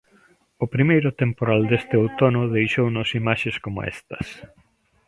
O primeiro temporal deste outono deixounos imaxes coma estas.